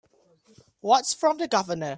What's from the Governor?